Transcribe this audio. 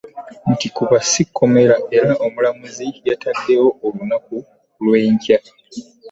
Nti kuba si kkomera era omulamuzi yataddewo olunaku lw' enkya